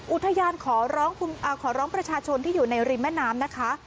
อุทยานขอร้องประชาชนที่อยู่ในริมแม่น้ำนะคะ